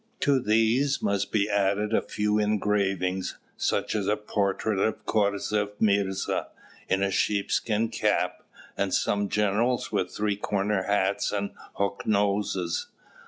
To these must be added a few engravings, such as a portrait of Khozreff Mirza in a sheepskin cap, and some generals with three cornered hats and hooked noses.